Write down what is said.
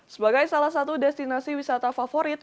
sebagai salah satu destinasi wisata favorit